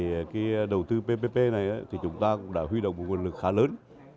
trong thời gian vừa qua thì đầu tư ppp này thì chúng ta cũng đã huy động một nguồn lực khá lớn